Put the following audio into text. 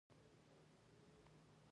ایا پوهیږئ چې اوبه څومره مهمې دي؟